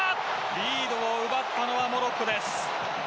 リードを奪ったのはモロッコです。